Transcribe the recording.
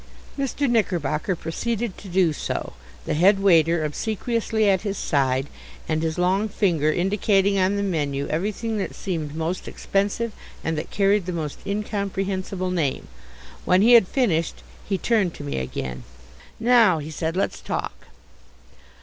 Mr. Knickerbocker proceeded to do so, the head waiter obsequiously at his side, and his long finger indicating on the menu everything that seemed most expensive and that carried the most incomprehensible name. When he had finished he turned to me again. "Now," he said, "let's talk."